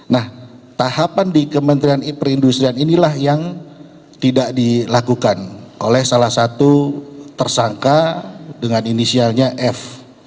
nah tahapan di kementerian perindustrian inilah yang tidak dilakukan oleh salah satu tersangka dengan inisialnya f